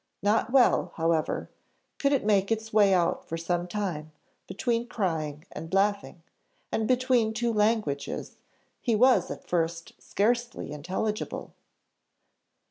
Not well, however, could it make its way out for some time; between crying and laughing, and between two languages, he was at first scarcely intelligible.